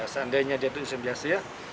seandainya dia dosen biasa ya